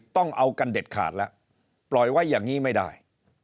ต้องเอากันเด็ดขาดแล้วปล่อยไว้อย่างนี้ไม่ได้